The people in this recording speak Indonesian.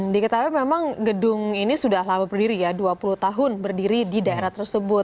diketahui memang gedung ini sudah lama berdiri ya dua puluh tahun berdiri di daerah tersebut